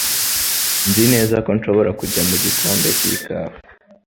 Nzi neza ko nshobora kujya mu gikombe cy'ikawa.